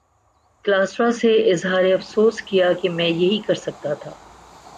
کلاسرا سے اظہار افسوس کیا کہ میں یہی کر سکتا تھا۔